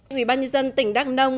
nguyên bác nhân dân tỉnh đắk nông